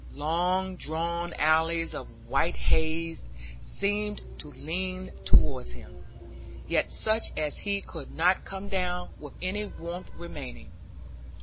Long drawn alleys of white haze seemed to lead towards him, yet such as he could not come down, with any warmth remaining.